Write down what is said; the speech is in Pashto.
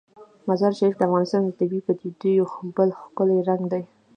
مزارشریف د افغانستان د طبیعي پدیدو یو بل ښکلی رنګ دی.